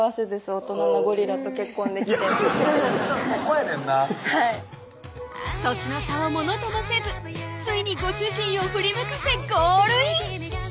大人なゴリラと結婚できてそこやねんなはい歳の差をものともせずついにご主人を振り向かせゴールイン！